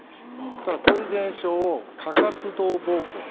ただ、こういう現象を過活動膀胱。